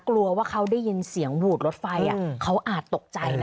กลัวว่าเขาได้ยินเสียงหวูดรถไฟเขาอาจตกใจนะ